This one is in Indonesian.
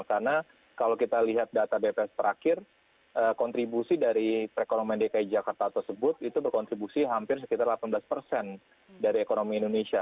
karena kalau kita lihat data bps terakhir kontribusi dari perekonomian dki jakarta tersebut itu berkontribusi hampir sekitar delapan belas persen dari ekonomi indonesia